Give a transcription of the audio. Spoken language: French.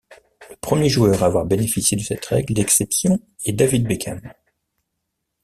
Le premier joueur à avoir bénéficié de cette règle d'exception est David Beckham.